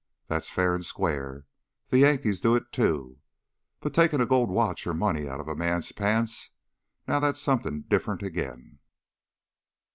That's fair an' square. The Yankees do it too. But takin' a gold watch or money outta a man's pants now that's somethin' different again."